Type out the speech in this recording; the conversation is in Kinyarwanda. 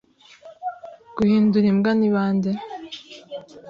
Guhindura imbwa ni bande?